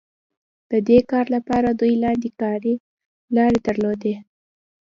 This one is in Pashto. د دې کار لپاره دوی لاندې لارې درلودې.